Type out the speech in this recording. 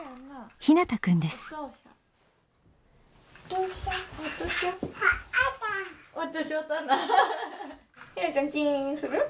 ひなちゃんちんする？